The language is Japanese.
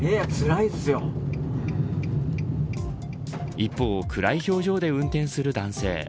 一方、暗い表情で運転する男性。